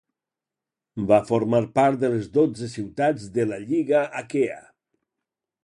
Va formar part de les dotze ciutats de la Lliga Aquea.